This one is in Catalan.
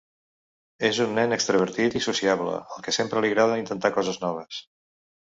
És un nen extravertit i sociable, al que sempre li agrada intentar coses noves.